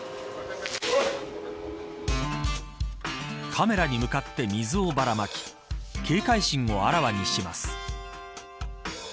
カメラに向かって水をばらまき警戒心をあらわにします。